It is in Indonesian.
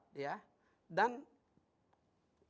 dengan payung hukum yang kuat